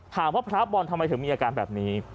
พระบอลทำไมถึงมีอาการแบบนี้